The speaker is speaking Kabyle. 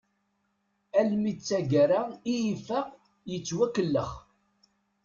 Almi d taggara i ifaq yettwakellex.